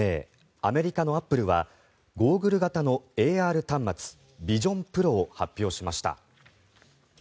アメリカのアップルはゴーグル型のＡＲ端末ＶｉｓｉｏｎＰｒｏを発表しました。